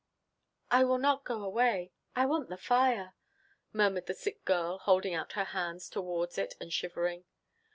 "I will not go away; I want the fire," murmured the sick girl, holding out her hands towards it, and shivering.